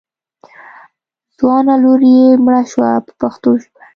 ځوانه لور یې مړه شوه په پښتو ژبه.